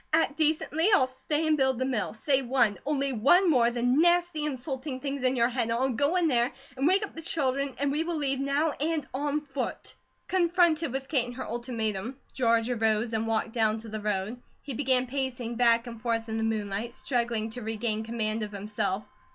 Act decently, I'll stay and build the mill. Say one, only one more of the nasty, insulting things in your head, and I'll go in there and wake up the children and we will leave now and on foot." Confronted with Kate and her ultimatum, George arose and walked down to the road; he began pacing back and forth in the moonlight, struggling to regain command of himself.